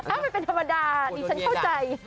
มันเป็นธรรมดาดิฉันเข้าใจ